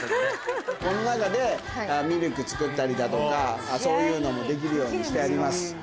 この中でミルク作ったりだとかそういうのもできるようにしてあります。